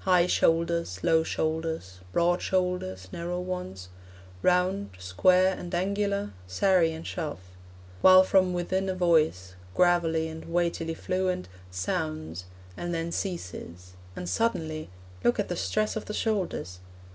High shoulders, low shoulders, broad shoulders, narrow ones, Round, square, and angular, serry and shove; While from within a voice, Gravely and weightily fluent, Sounds; and then ceases; and suddenly (Look at the stress of the shoulders!)